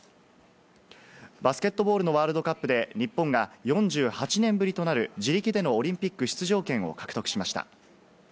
バスケットボールのワールドカップで日本が４８年ぶりとなる自力でのオリンピック出場権を獲得しました。